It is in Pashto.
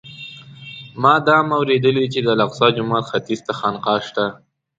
ما دا هم اورېدلي چې د الاقصی جومات ختیځ ته خانقاه شته.